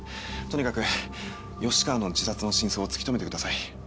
とにかく吉川の自殺の真相を突き止めてください。